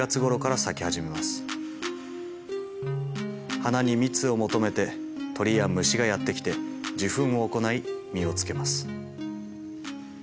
花に蜜を求めて鳥や虫がやって来て受粉を行い実をつけます。